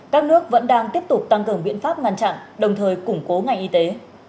các nước vẫn đang tiếp tục tăng cường biện pháp ngăn chặn đồng thời củng cố ngành y tế